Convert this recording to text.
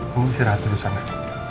bu istirahat dulu sama aku